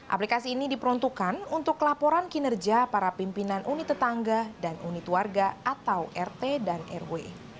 aplikasi ini diperuntukkan untuk laporan kinerja para pimpinan unit tetangga dan unit warga atau rt dan rw